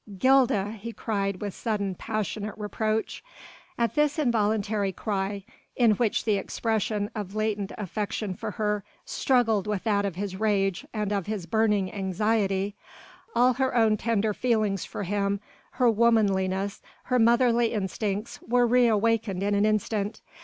"Gilda!" he cried with sudden passionate reproach. At this involuntary cry in which the expression of latent affection for her struggled with that of his rage and of his burning anxiety all her own tender feelings for him, her womanliness, her motherly instincts were re awakened in an instant.